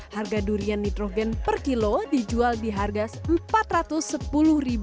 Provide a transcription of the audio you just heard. harga durian nitrogen per kilo dijual di harga rp empat ratus sepuluh